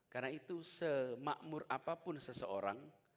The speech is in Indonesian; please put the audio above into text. karena itu semakmur apapun seseorang